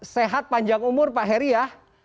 sehat panjang umur pak heri ya